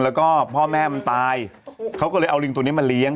แล้วก็พ่อแม่มันตายเขาก็เลยเอาลิงตัวนี้มาเลี้ยง